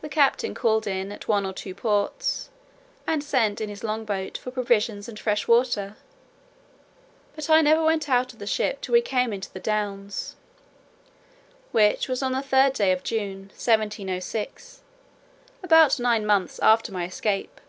The captain called in at one or two ports, and sent in his long boat for provisions and fresh water; but I never went out of the ship till we came into the Downs, which was on the third day of June, 1706, about nine months after my escape.